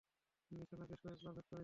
নিশানা বেশ কয়েকবার ভেদ করেছি!